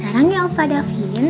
sarangnya bapak davin